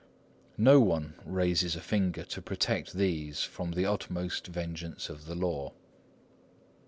No one raises a finger to protect these from the utmost vengeance of the law.